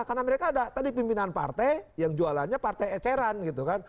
karena mereka ada tadi pimpinan partai yang jualannya partai eceran gitu kan